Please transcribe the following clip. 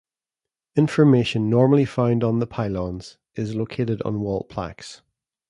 Information normally found on the pylons is located on wall plaques.